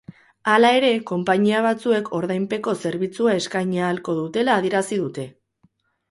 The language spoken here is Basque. Hala ere, konpainia batzuek ordainpeko zerbitzua eskaini ahalko dutela adierazi dute.